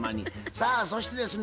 さあそしてですね